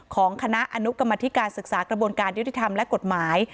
ของคณะอนุกรรมธิการศึกษากระบวนการยุติธรรมและกฎหมาย